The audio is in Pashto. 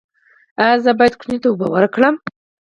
ایا زه باید ماشوم ته اوبه ورکړم؟